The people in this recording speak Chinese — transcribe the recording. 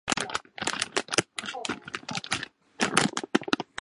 无线感测网路。